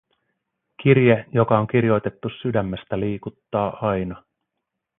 Kirje, joka on kirjoitettu sydämestä, liikuttaa aina.